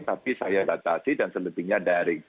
tapi saya batasi dan selebihnya dari